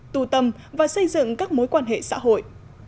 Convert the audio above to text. tù tâm và xây dựng các mối quan hệ xã hội